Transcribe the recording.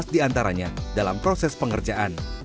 sebelas diantaranya dalam proses pengerjaan